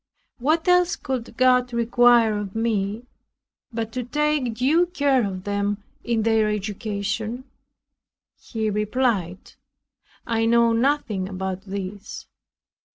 What else could God require of me, but to take due care of them in their education?" He replied, "I know nothing about this.